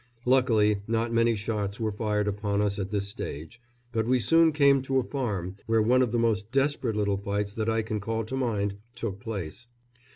Luckily not many shots were fired upon us at this stage; but we soon came to a farm where one of the most desperate little fights that I can call to mind took place.